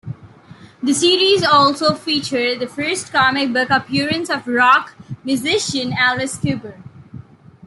The series also featured the first comic book appearance of rock musician Alice Cooper.